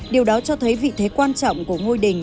điều đó cho thấy vị thế quan trọng của ngôi đình